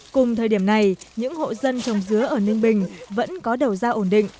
cùng thời điểm này những hộ dân trồng dứa ở ninh bình vẫn có đầu ra ổn định